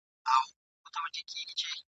سوی یم ایره سوم پروانې را پسي مه ګوره !.